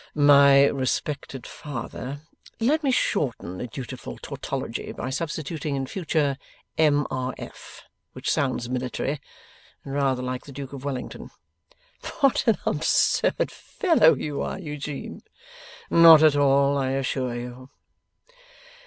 My respected father let me shorten the dutiful tautology by substituting in future M. R. F., which sounds military, and rather like the Duke of Wellington.' 'What an absurd fellow you are, Eugene!' 'Not at all, I assure you.